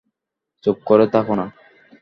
চুপ করে থাক না।